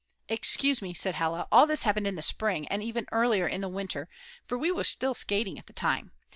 "Excuse me," said Hella, "all this happened in the spring, and even earlier, in the winter, for we were still skating at the time.